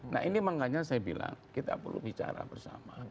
nah ini makanya saya bilang kita perlu bicara bersama